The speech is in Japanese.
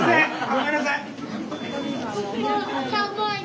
ごめんなさい。